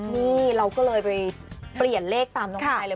นี่เราก็เลยไปเปลี่ยนเลขตามน้องชายเลย